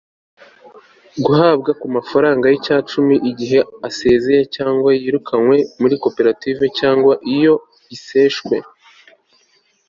guhabwa ku mafaranga y'igicumbi igihe asezeye cyangwa yirukanywe muri koperative cyangwa iyo iseshwe